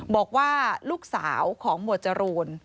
บอกว่าลูกสาวของหมวดจรูน